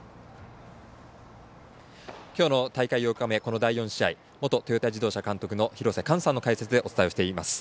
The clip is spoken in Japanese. きょうの大会８日目この第４試合元トヨタ自動車監督の廣瀬寛さんの解説でお伝えをしています。